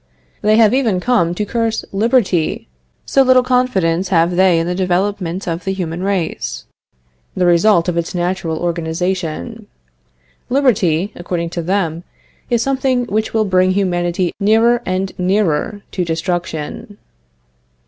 They have even come to curse liberty, so little confidence have they in the development of the human race, the result of its natural organization. Liberty, according to them, is something which will bring humanity nearer and nearer to destruction.